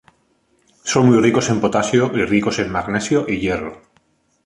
Son muy ricos en potasio y ricos en magnesio y hierro.